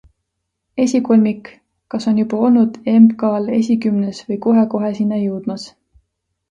Esikolmik, kas on juba olnud MK-l esikümnes või kohe-kohe sinna jõudmas.